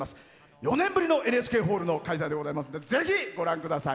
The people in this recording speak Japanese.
４年ぶりのＮＨＫホールでの開催となりますのでぜひ、ご覧ください。